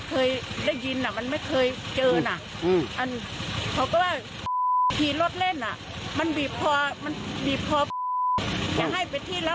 ถ้าเป็นผู้หญิงดีมันไม่ฆ่าตายล่ะลูกไม่ฆ่าตายมันดีแล้ว